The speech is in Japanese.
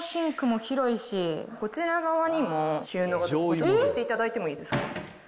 こちら側にも収納があるので、開けていただいてもいいですか？